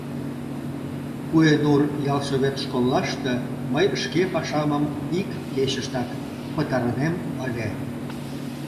Куэнур ялсовет школлаште мый шке пашамым ик кечыштак пытарынем ыле.